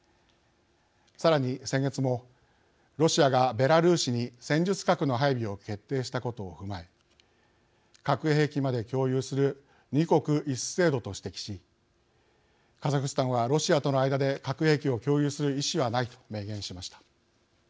さらに先月もロシアがベラルーシに戦術核の配備を決定したことを踏まえ核兵器まで共有する２国１制度と指摘しカザフスタンはロシアとの間で核兵器を共有する意思はないと明言しました。